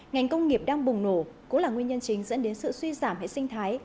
ngành công nghiệp đang bùng nổ cũng là nguyên nhân chính dẫn đến sự suy giảm hệ sinh thái